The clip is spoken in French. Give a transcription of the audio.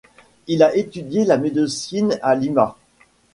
Il a étudié la médecine à Lima.